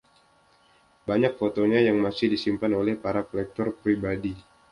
Banyak fotonya yang masih disimpan oleh para kolektor pribadi.